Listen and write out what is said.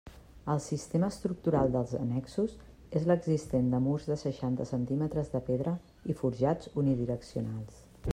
El sistema estructural dels annexos és l'existent de murs de seixanta centímetres de pedra i forjats unidireccionals.